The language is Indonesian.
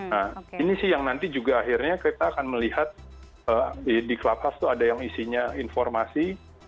nah ini sih yang nanti juga akhirnya kita akan melihat di klatas itu ada yang isinya informasi